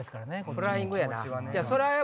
フライングやな。